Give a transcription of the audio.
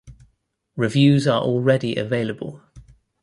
Reviews are already available.